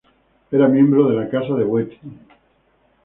Era miembro de la Casa de Wettin.